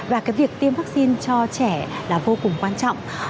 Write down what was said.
và cái việc tiêm vaccine cho trẻ là vô cùng quan trọng